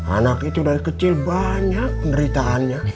anak itu dari kecil banyak penderitaannya